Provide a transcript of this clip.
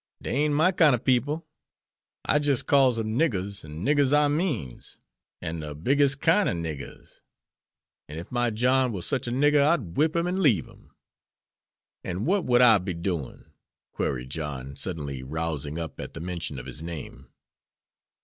"Dey ain't my kine ob people. I jis' calls em niggers, an' niggers I means; an' de bigges' kine ob niggers. An' if my John war sich a nigger I'd whip him an' leave him." "An' what would I be a doin'," queried John, suddenly rousing up at the mention of his name.